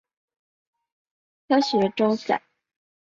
科学酬载